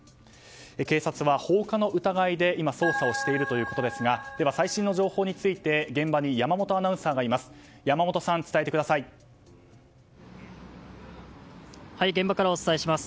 警察は、放火の疑いで捜査をしているということですが最新の情報について現場に山本アナウンサーがいます。